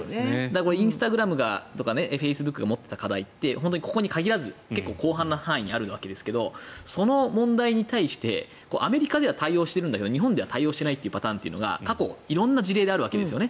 インスタグラムとかフェイスブックが持っていた課題ってここに限らず結構広範な範囲ですがその問題に対してアメリカでは対応しているけど日本では対応していないパターンというのが過去色んな事例であるわけですよね。